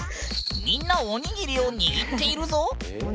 みんなおにぎりを握っているぞ。